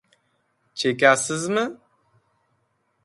— Chekasizmi?